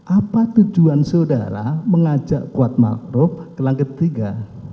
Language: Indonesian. apa tujuan saudara mengajak kuat makruh ke langit ketiga